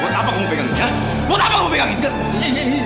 buat apa kamu pegang ini buat apa kamu pegang ini